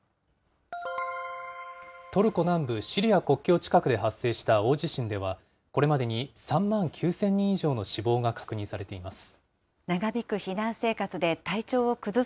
トルコ南部シリア国境近くで発生した大地震では、これまでに３万９０００人以上の死亡が確認されています。